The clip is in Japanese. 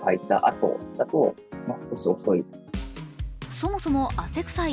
そもそも汗臭い